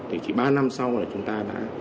thì chỉ ba năm sau là chúng ta đã